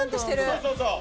そうそうそう。